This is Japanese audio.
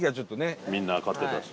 富澤：みんな買ってたし。